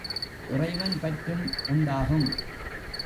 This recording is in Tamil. இறைவன் பற்றும் உண்டாகும்.